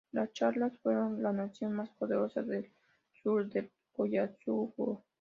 Los charcas fueron la nación más poderosa del sur del Collasuyo.